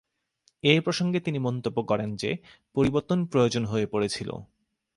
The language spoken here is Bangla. এ প্রসঙ্গে তিনি মন্তব্য করেন যে, পরিবর্তন প্রয়োজন হয়ে পড়েছিল।